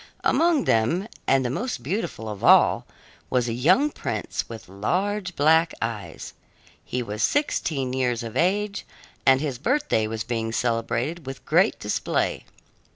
Among them, and the most beautiful of all, was a young prince with large, black eyes. He was sixteen years of age, and his birthday was being celebrated with great display.